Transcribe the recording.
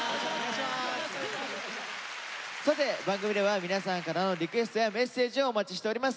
さて番組では皆さんからのリクエストやメッセージをお待ちしております。